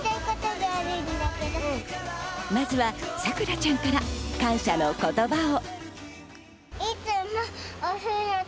まずは紗来良ちゃんから感謝の言葉を。